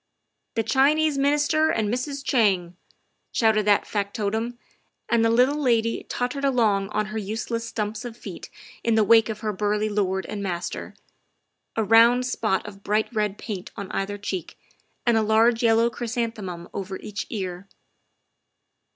" The Chinese Minister and Mrs. Chang!" shouted that factotum, and the little lady tottered along on her useless stumps of feet in the wake of her burly lord and master, a round spot of bright red paint on either cheek and a large yellow chrysanthemum over each ear.